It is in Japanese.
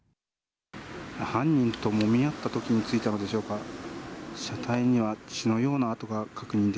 犯人ともみ合ったときについたのでしょうか、車体には血のよ